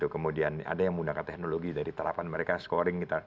kemudian ada yang menggunakan teknologi dari terapan mereka scoring